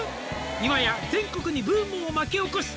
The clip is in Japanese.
「今や全国にブームを巻き起こす」